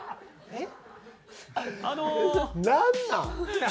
えっ？